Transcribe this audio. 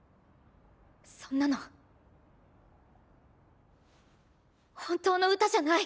そんなの本当の歌じゃない。